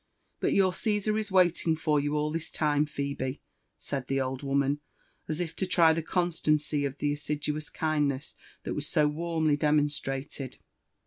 "But your Caesar is waiting for you all this time, Phebe," said the old woman, as if to try the constancy of the assiduous kindness that was so warmly demonstrated.